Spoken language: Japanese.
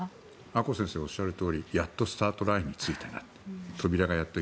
阿古先生がおっしゃるとおりやっとスタートラインについたなと。